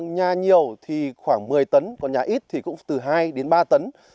nhà nhiều thì khoảng một mươi tấn còn nhà ít thì cũng từ hai đến ba tấn